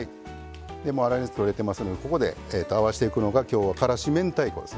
もう粗熱取れてますのでここで合わせていくのが今日はからし明太子ですね。